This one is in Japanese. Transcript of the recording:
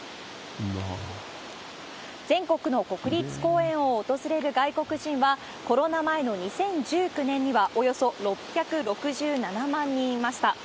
全国の国立公園を訪れる外国人はコロナ前の２０１９年にはおよそ６６７万人いました。